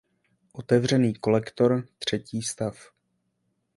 Otevřený kolektor, třetí stav